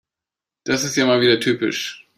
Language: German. Das ist ja wieder mal typisch.